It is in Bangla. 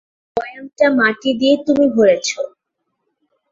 বয়ামটা মাটি দিয়ে তুমি ভরেছ।